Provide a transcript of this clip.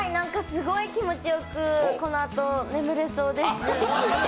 すごい気持ちよくこのあと眠れそうです。